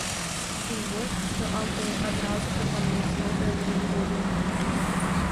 Тым больш, што аўтары адразу прапануюць новыя падыходы.